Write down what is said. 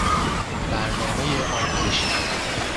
برنامهی آموزشی